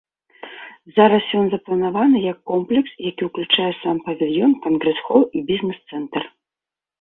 Зараз ён запланаваны як комплекс, які ўключае сам павільён, кангрэс-хол і бізнес-цэнтр.